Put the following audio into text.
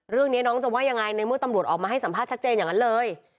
เรื่องนี้น้องจะว่ายังไงในเมื่อตำรวจออกมาให้สัมภาษณ์ชัดเจนอย่างนั้นเลย